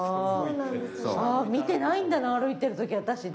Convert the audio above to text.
あ見てないんだな歩いてる時私。